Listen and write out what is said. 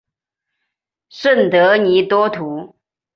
圣德尼多图。